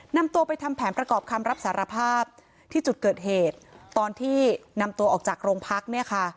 นำตัวไปทำแผนประกอบคำรับสารภาพที่จุดเกิดเหตุตอนที่นำตัวออกจากโรงพักเนี่ยค่ะ